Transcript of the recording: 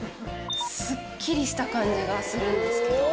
スッキリした感じがするんですけど。